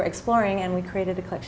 meneliti dan kita membuat koleksi